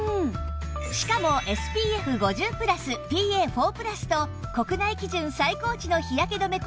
しかも ＳＰＦ５０＋ＰＡ＋＋＋＋ と国内基準最高値の日焼け止め